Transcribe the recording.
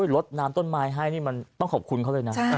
ลดน้ำต้นไม้ให้นี่มันต้องขอบคุณเขาเลยนะ